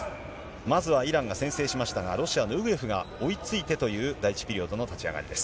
まずはイランが先制しましたが、ロシアのウグエフが追いついてという第１ピリオドの立ち上がりです。